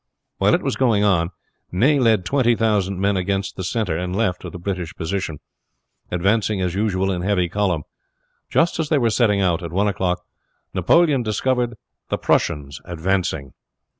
While it was going on Ney led twenty thousand men against the center and left of the British position, advancing as usual in heavy column. Just as they were setting out at one o'clock Napoleon discovered the Prussians advancing.